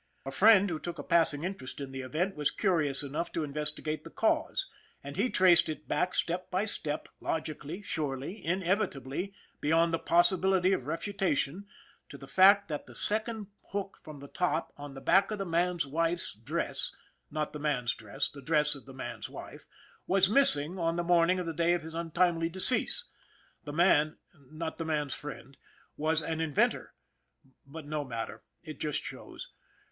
A friend who took a passing interest in the event was curious enough to investigate the cause, and he traced it back step by step, logically, surely, inevitably, beyond the possibility of refutation, to the fact that the second hook from the top on the back of the man's wife's dress not the man's dress, the dress of the man's wife was missing on the morning of the day of his un timely decease. The man not the man's friend was an inventor. But no matter. It just shows.